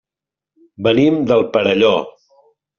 Venim del Perelló.